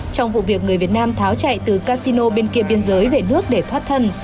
trong vụ việc người việt nam tháo chạy từ casino bên kia biên giới về nước để thoát thân